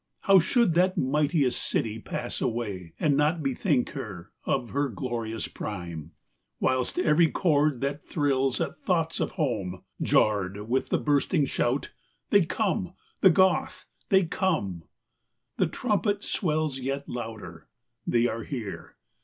How should that mightiest city pass away And not bethink her of her glorious prime. Whilst every chord that thrills at thoughts of home Jarr'd with the bursting shout, " they come, the Goth, they come !" Alaric at Rome, XXIII. The trumpet swells yet louder : they are here